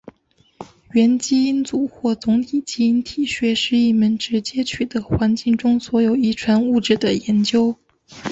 元基因组或总体基因体学是一门直接取得环境中所有遗传物质的研究。